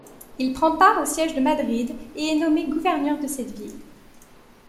Il prend part au siège de Madrid, et est nommé gouverneur de cette ville.